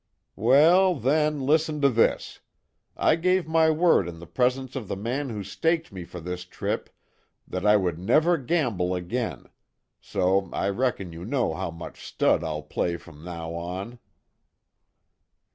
"Well, then listen to this: I gave my word in the presence of the man who staked me for this trip, that I would never gamble again. So I reckon you know how much stud I'll play from now on."